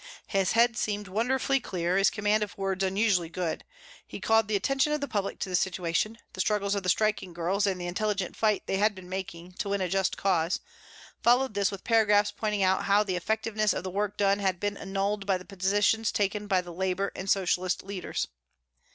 His head seemed wonderfully clear, his command of words unusually good. He called the attention of the public to the situation, the struggles of the striking girls and the intelligent fight they had been making to win a just cause, following this with paragraphs pointing out how the effectiveness of the work done had been annulled by the position taken by the labour and socialist leaders.